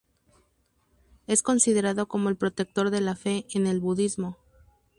Es considerado como el protector de la fe en el budismo.